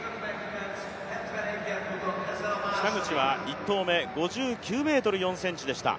北口は１回目、５９ｍ０４ｃｍでした。